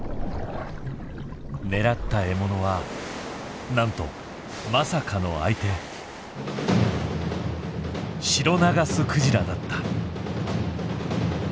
狙った獲物はなんとまさかの相手シロナガスクジラだった。